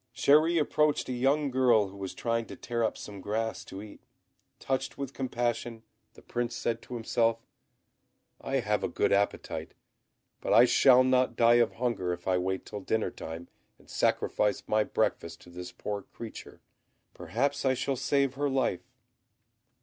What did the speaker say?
Chéri approached a young girl who was trying to tear up some grass to eat; touched with compassion, the Prince said to himself, "I have a good appetite, but I shall not die of hunger if I wait till dinner time and sacrifice my breakfast to this poor creature; perhaps I shall save her life."